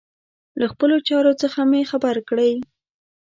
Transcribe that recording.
له خپلو چارو څخه مي خبر کړئ.